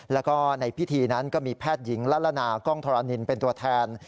แล้วก็ในพิธีนั้นก็มีแพทย์หญิงละละนากล้องธรณินเป็นตัวแทน